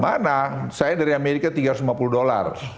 mana saya dari amerika tiga ratus lima puluh dolar